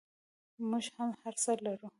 موږ هر څه لرو؟